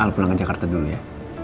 kalau pulang ke jakarta dulu ya